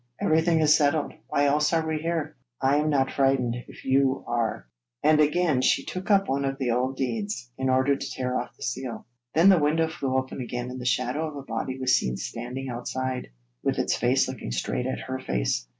Everything is settled. Why else are we here? I am not frightened, if you are,' and again she took up one of the old deeds, in order to tear off the seal. Then the window flew open and the shadow of a body was seen standing outside, with its face looking straight at her face.